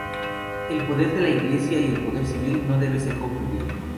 El poder de la Iglesia y el poder civil no debe ser confundido.